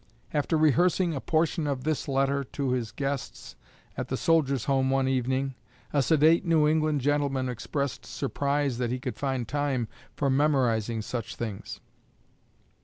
After rehearsing a portion of this letter to his guests at the Soldiers' Home one evening, a sedate New England gentleman expressed surprise that he could find time for memorizing such things.